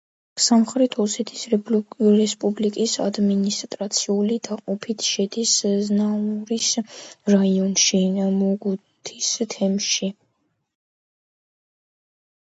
სამხრეთ ოსეთის რესპუბლიკის ადმინისტრაციული დაყოფით შედის ზნაურის რაიონში, მუგუთის თემში.